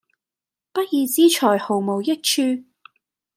不義之財毫無益處